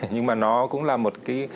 nhưng mà nó cũng là một cái